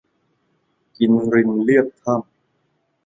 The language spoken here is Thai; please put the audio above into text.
กินรินเลียบถ้ำ